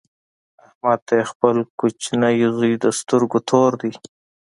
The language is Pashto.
احمد ته یې خپل کوچنۍ زوی د سترګو تور دی.